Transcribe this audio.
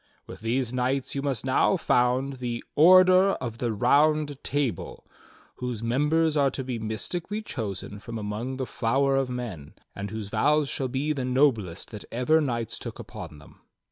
With these knights you must now found the ORDER OF THE ROUND TABLE, whose members are to be mystically chosen from among the flower of men, and whose vows shall be the noblest that ever knights took upon them."